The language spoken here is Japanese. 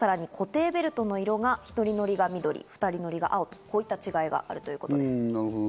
さらに固定ベルトの色が１人乗りが緑、２人乗りが青、こういった違いがあるということです。